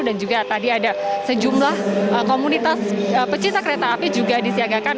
dan juga tadi ada sejumlah komunitas pecinta kereta api juga disiagakan